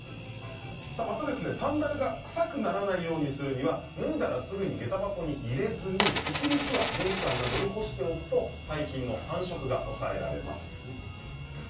またサンダルが臭くならないようにするには脱いだらすぐにげた箱に入れずに一日は玄関などに干しておくと細菌の繁殖が抑えられます。